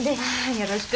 よろしく。